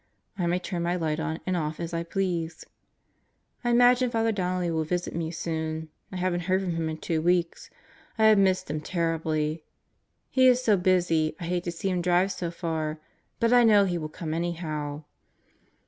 I may turn my light on and off as I please. I imagine Father Donnelly will visit me soon. I haven't heard from him in two weeks. I have missed him terribly. He is so busy I hate to see him drive so far; but I know he will come anyhow.